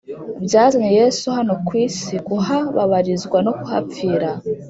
byazanye yesu hano ku isi kuhababarizwa no kuhapfira